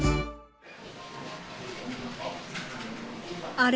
あれ？